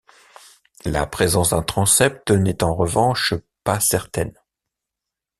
La présence d'un transept n'est en revanche pas certaine.